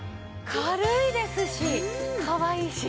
軽いですしかわいいし。